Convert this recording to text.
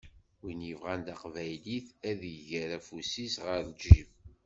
Win yebɣan taqbaylit ad iger afus-is ɣer lǧib.